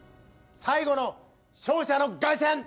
最後の勝者の凱旋！